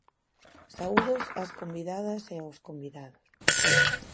Saúdos ás convidadas e aos convidados.